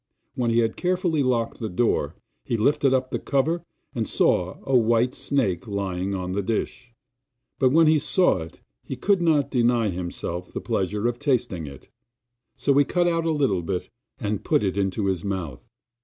When he had carefully locked the door, he lifted up the cover, and saw a white snake lying on the dish. But when he saw it he could not deny himself the pleasure of tasting it, so he cut of a little bit and put it into his mouth.